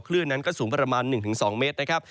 คลื่นนั้นก็สูงประมาณ๑๒เมตรนะครับ